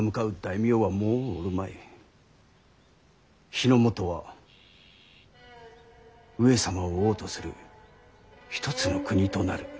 日の本は上様を王とする一つの国となる。